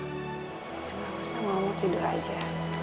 enggak usah ma mau tidur saja